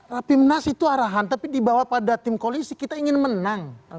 rapimnas itu arahan tapi dibawa pada tim koalisi kita ingin menang